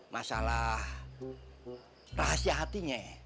masalah rahasia hatinya